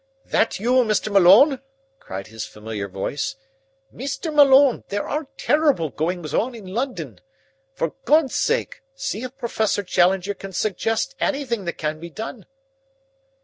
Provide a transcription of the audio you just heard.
"That you, Mr. Malone?" cried his familiar voice. "Mr. Malone, there are terrible goings on in London. For God's sake, see if Professor Challenger can suggest anything that can be done."